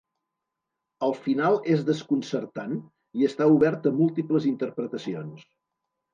El final és desconcertant i està obert a múltiples interpretacions.